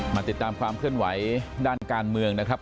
มาติดตามความเคลื่อนไหวด้านการเมืองนะครับ